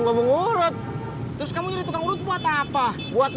mbak laras libur kuliahnya kapan